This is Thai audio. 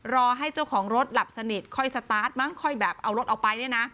รอให้เจ้าของรถหลับสนิทค่อยสตาร์ทมั้งค่อยแบบเอารถออกไปเนี่ยนะ